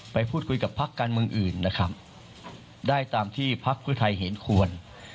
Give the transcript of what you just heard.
ไปพูดคุยกับพักการเมืองอื่นนะครับได้ตามที่พักเพื่อไทยเห็นควร